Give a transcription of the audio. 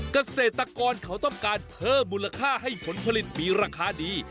เกษตรกรเขาต้องการเพิ่มมูลค่าให้ผลผลิตมีราคาดี